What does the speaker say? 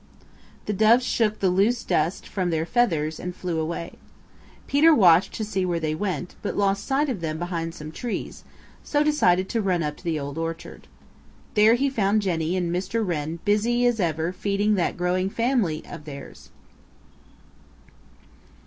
The Doves shook the loose dust from their feathers and flew away. Peter watched to see where they went, but lost sight of them behind some trees, so decided to run up to the Old Orchard. There he found Jenny and Mr. Wren as busy as ever feeding that growing family of theirs.